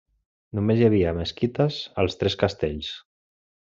Només hi havia mesquites als tres castells.